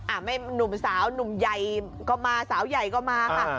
ไม่หนุ่มสาวหนุ่มใหญ่ก็มาสาวใหญ่ก็มาค่ะ